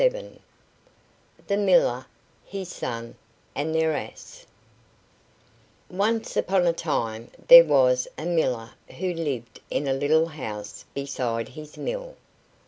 THE MILLER, HIS SON, AND THEIR ASS Once upon a time there was a miller who lived in a little house beside his mill.